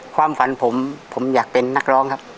ความฝันผมผมอยากเป็นนักร้องครับ